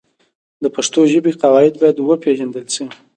د پښتو ژبې قواعد باید وپېژندل سي.